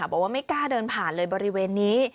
บอกว่าไม่กล้าเดินผ่านเลยบริเวณนี้